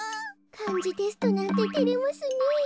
かんじテストなんててれますね。